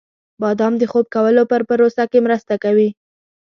• بادام د خوب کولو په پروسه کې مرسته کوي.